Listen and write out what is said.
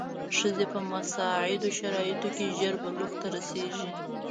ښځې په مساعدو شرایطو کې ژر بلوغ ته رسېږي.